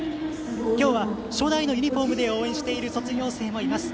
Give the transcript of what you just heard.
今日は初代のユニフォームで応援している卒業生もいます。